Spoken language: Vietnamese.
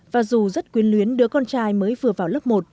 và dù rất quyến luyến đứa con trai mới vừa vào lớp một